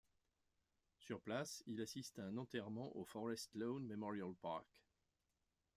Sur place, il assiste à un enterrement au Forest Lawn Memorial Park.